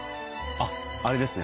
あっあれですね。